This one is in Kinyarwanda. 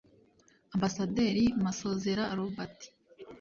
Ambasaderi Masozera Robert